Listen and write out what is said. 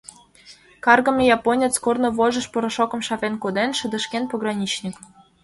Каргыме японец, корно вожыш порошокым шавен коден, — шыдешкен пограничник.